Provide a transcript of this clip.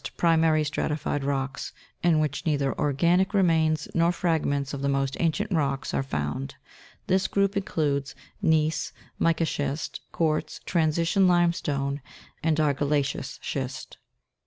Primary stratified rocks, in which neither organic remains, nor fragments of the most ancient rocks are found ; this group includes gneiss, mica schist, quartz,, transition limestone, and argilla'ceous schist.